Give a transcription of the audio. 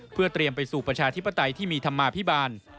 เพื่อเตรียมไปสู่ประชาธิปไตยที่มีธรรมาภิบาล